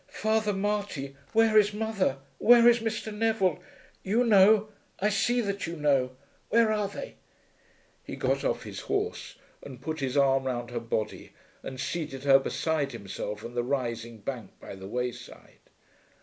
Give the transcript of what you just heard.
"Father Marty, where is mother? Where is Mr. Neville? You know. I see that you know. Where are they?" He got off his horse and put his arm round her body and seated her beside himself on the rising bank by the wayside.